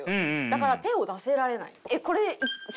だから手を出せられない。